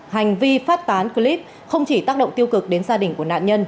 hành vi phát tán clip không chỉ tác động tiêu cực đến gia đình của nạn nhân